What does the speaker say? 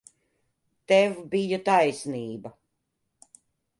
Tev bija taisnība.